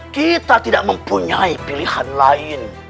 kita tidak mempunyai pilihan lain